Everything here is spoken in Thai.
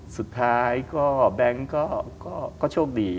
สุดท้ายก็แบงค์ก็โชคดี